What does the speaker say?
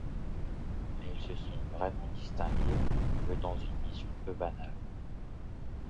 Mais ils se sont vraiment distingués le dans une mission peu banale.